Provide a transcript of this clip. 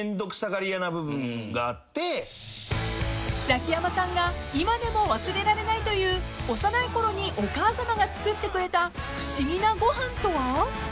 ［ザキヤマさんが今でも忘れられないという幼いころにお母さまが作ってくれた不思議なご飯とは？］